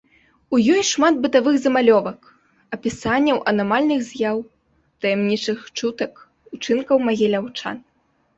У ёй шмат бытавых замалёвак, апісанняў анамальных з'яў, таямнічых чутак, учынкаў магіляўчан.